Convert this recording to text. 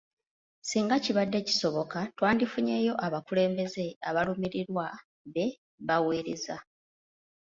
Ssinga kibadde kisoboka twandifunyeeyo abakulembeze abalumirirwa be baweereza.